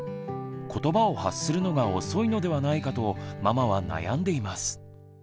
ことばを発するのが遅いのではないかとママは悩んでいます。